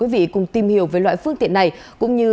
mình phải luôn nhắc nhở